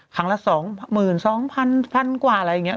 ครั้งละ๒๒๐๐๐กว่าอะไรอย่างนี้